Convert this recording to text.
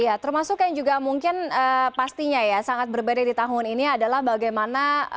iya termasuk yang juga mungkin pastinya ya sangat berbeda di tahun ini adalah bagaimana